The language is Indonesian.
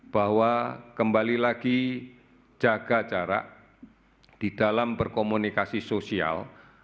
bahwa kembali lagi jaga jarak di dalam berkomunikasi sosial